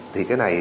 thì cái này